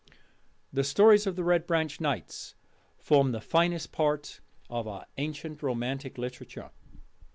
The stories of the Red Branch Knights form the finest part of our ancient Romantic Literature.